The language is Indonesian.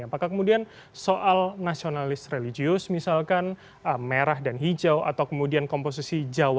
apakah kemudian soal nasionalis religius misalkan merah dan hijau atau kemudian komposisi jawa